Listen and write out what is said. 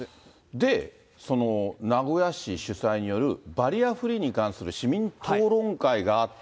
で、その名古屋市主催によるバリアフリーに関する市民討論会があって。